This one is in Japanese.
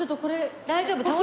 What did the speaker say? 大丈夫？